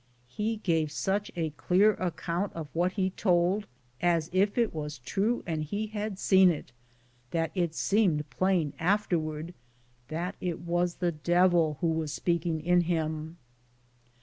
He gave such a clear account of what he told, as if it was true and he had seen it, that it seemed plain afterward that it was the devil who was speaking in him.